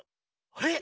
あれ⁉